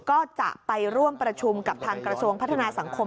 ก็จะไปร่วมประชุมกับทางกระทรวงพัฒนาสังคม